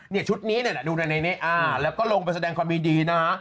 เนี่ยชุดนี้เนี่ยดูในนี้อ่าแล้วก็ลงไปแสดงความมีดีนะ